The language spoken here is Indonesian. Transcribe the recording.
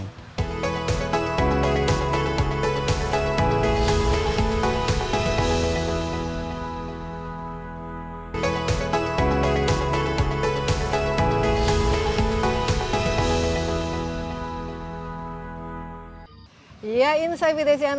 misal burung ereh